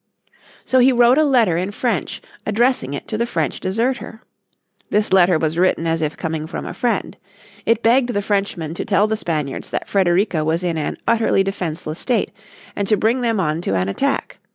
So he wrote a letter in French addressing it to the French deserter. This letter was written as if coming from a friend. It begged the Frenchman to tell the Spaniards that Frederica was in an utterly defenseless state, and to bring them on to an attack.